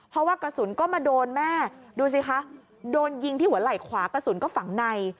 เพราะว่ากระสุนก็มาโดนแม่ดูสิคะโดนยิงที่หัวไหล่ขวากระสุนก็ฝังใน